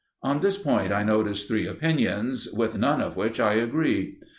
On this point I notice three opinions, with none of which I agree.